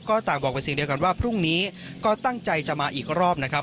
ก็ต่างบอกเป็นเสียงเดียวกันว่าพรุ่งนี้ก็ตั้งใจจะมาอีกรอบนะครับ